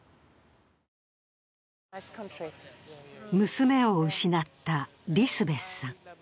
娘を失ったリスベスさん。